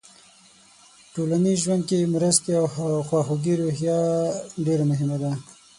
ټولنیز ژوند کې د مرستې او خواخوږۍ روحیه ډېره مهمه ده.